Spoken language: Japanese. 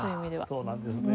そうなんですね。